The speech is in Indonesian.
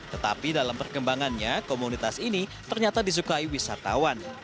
tetapi dalam perkembangannya komunitas ini ternyata disukai wisatawan